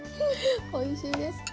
おいしいです。